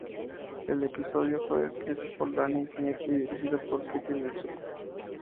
El episodio fue escrito por Danny Smith y dirigido por Pete Michels.